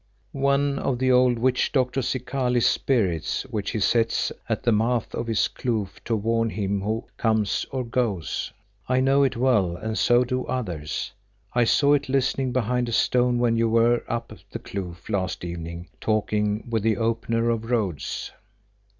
"One of the old witch doctor Zikali's spirits which he sets at the mouth of this kloof to warn him of who comes or goes. I know it well, and so do others. I saw it listening behind a stone when you were up the kloof last evening talking with the Opener of Roads."